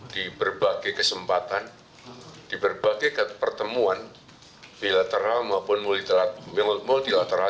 di berbagai kesempatan di berbagai pertemuan bilateral maupun multilateral